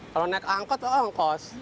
kalau naik angkot angkos